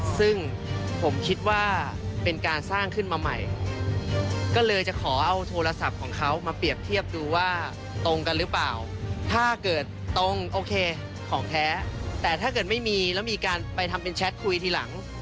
ซึ่งผมคิดว่าเป็นการสร้างขึ้นมาใหม่ก็เลยจะขอเอาโทรศัพท์ของเขามาเปรียบเทียบดูว่าตรงกันหรือเปล่าถ้าเกิดตรงโอเคของแท้แต่ถ้าเกิดไม่มีแล้วมีการไปทำเป็นแชทคุยทีหลัง